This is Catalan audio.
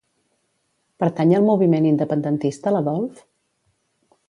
Pertany al moviment independentista l'Adolf?